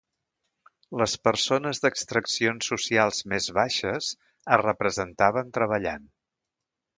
Les persones d'extraccions socials més baixes es representaven treballant.